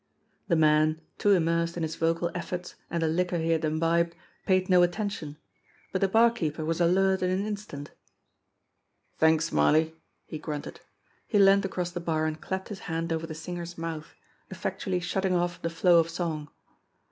The man, too immersed in his vocal efforts and the liquor he had imbibed, paid no attention; but the barkeeper was alert in an instant. "T'anks, Smarly !" he grunted. He leaned across the bar and clapped his hand over the singer's mouth, effectually shutting off the flow of song.